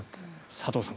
佐藤さん